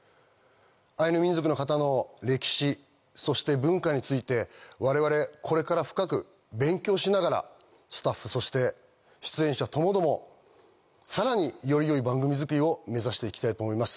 アイヌ民族の方の歴史、そして文化について、我々これから深く勉強しながらスタッフ、そして出演者ともども、さらにより良い番組作りを目指していきたいと思います。